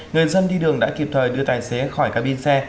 người dân đi đường đã kịp thời đưa tài xế khỏi cabin xe